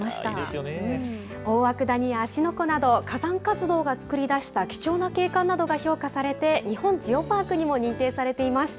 大涌谷や芦ノ湖など火山活動が作り出した貴重な景観などが評価されて日本ジオパークにも認定されています。